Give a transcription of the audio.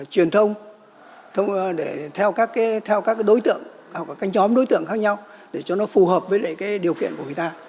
truyền thông để theo các đối tượng hoặc các nhóm đối tượng khác nhau để cho nó phù hợp với điều kiện của người ta